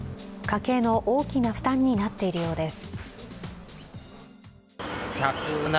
家計の大きな負担になっているようです。